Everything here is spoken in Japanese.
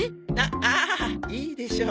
ああいいでしょう。